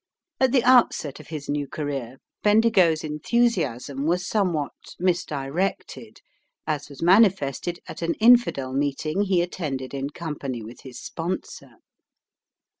At the outset of his new career Bendigo's enthusiasm was somewhat misdirected, as was manifested at an infidel meeting he attended in company with his sponsor.